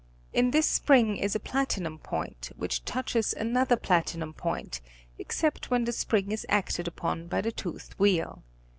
In this spring is a platinum point, which touches another platinum point, except when the spring is acted upon by the toothed wheel.